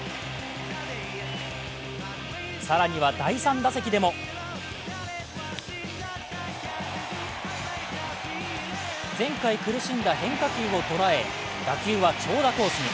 更には第３打席でも前回苦しんだ変化球を捉え打球は長打コースに。